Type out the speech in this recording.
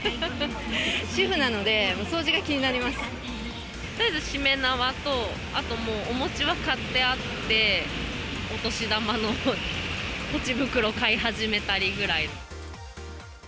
主婦なので、しめ縄と、あともうお餅は買ってあって、お年玉のぽち袋買い始めたりぐらい。